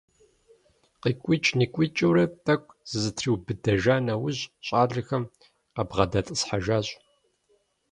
КъикӀукӀ-никӀукӀыурэ тӀэкӀу зызэтриубыдэжа нэужь, щӀалэхэм къабгъэдэтӀысхьэжащ.